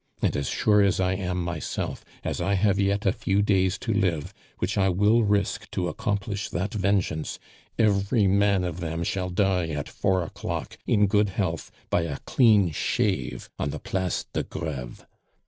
And as sure as I am myself, as I have yet a few days to live, which I will risk to accomplish that vengeance, every man of them shall die at four o'clock, in good health, by a clean shave on the Place de Greve."